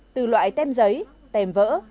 từ loại tem giấy tem vỡ